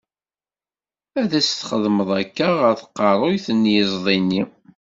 Ad as-txeddmeḍ akka, ɣer tqerruyt n yiẓdi-nni.